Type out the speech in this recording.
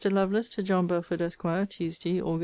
LOVELACE, TO JOHN BELFORD, ESQ. TUESDAY, AUG.